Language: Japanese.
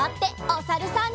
おさるさん。